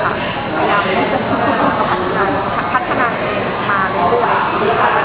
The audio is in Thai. พยายามที่จะพลังผลัดผลัดพัฒนาเองมาเรียกซะ